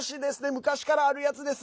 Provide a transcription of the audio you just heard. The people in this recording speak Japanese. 昔からあるやつです。